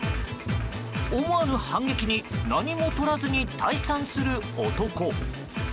思わぬ反撃に何もとらずに退散する男。